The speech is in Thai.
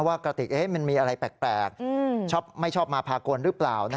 กระติกมันมีอะไรแปลกไม่ชอบมาพากลหรือเปล่า